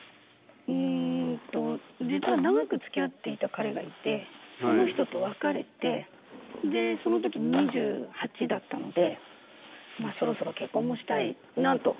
うんと実は長くつきあっていた彼がいてその人と別れてでその時２８だったのでそろそろ結婚もしたいなと。